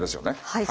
はい。